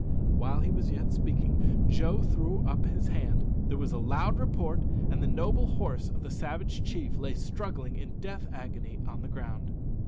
While he was yet speaking, Joe threw up his hand; there was a loud report, and the noble horse of the savage chief lay struggling in death agony on the ground.